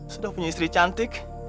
sudah punya istri cantik